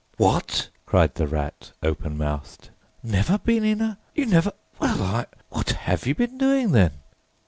"What?" cried the Rat, open mouthed: "Never been in a—you never—well I—what have you been doing, then?"